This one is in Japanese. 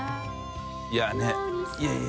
いねぇいやいや。